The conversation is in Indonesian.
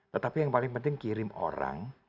tetapi yang paling penting kirim orang